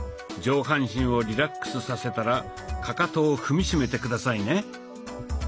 上半身をリラックスさせたらかかとを踏みしめて下さいね。